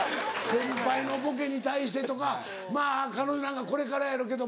先輩のボケに対してとかまぁ彼女なんかこれからやろけどもな。